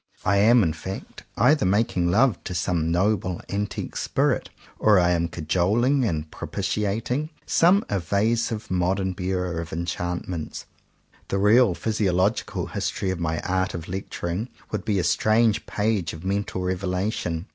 I am, in fact, either making love to some noble antique spirit, or I am cajoling and propitiating some evasive modern bearer of enchantments. The real physiological history of my "art of lectur ing" would be a strange page of mental revelation.